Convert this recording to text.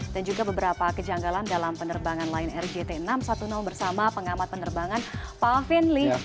juga beberapa kejanggalan dalam penerbangan lion air jt enam ratus sepuluh bersama pengamat penerbangan pak alvin lee